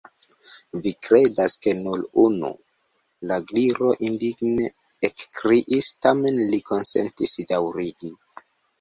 "Vi kredas ke nur unu?" la Gliro indigne ekkriis. Tamen li konsentis daŭrigi.